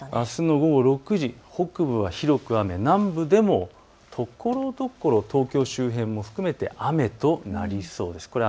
あすの午後６時、北部は広く雨、南部でもところどころ東京周辺も含めて雨となりそうです。